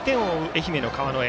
愛媛の川之江。